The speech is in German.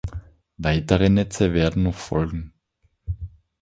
Weitere Netze werden noch folgen.